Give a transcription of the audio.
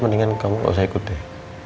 mendingan kamu gak usah ikut deh